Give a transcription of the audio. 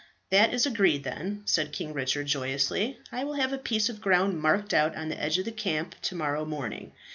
"That is agreed, then," said King Richard joyously. "I will have a piece of ground marked out on the edge of the camp to morrow morning.